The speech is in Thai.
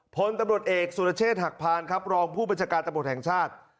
พลตำรวจเอกสุรเชษฐ์หักพานครับรองผู้บัญชาการตำรวจแห่งชาติ